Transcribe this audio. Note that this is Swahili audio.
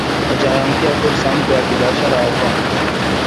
Kuchangamkia fursa mpya za kibiashara Kongo